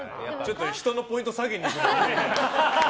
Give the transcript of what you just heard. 人のポイント下げにいくのやめてよ。